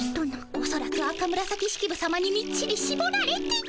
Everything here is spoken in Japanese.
おそらく赤紫式部さまにみっちりしぼられて。